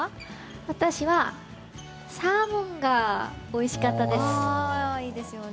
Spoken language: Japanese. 私は、サーモンがおいしかったです。